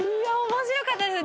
面白かったです。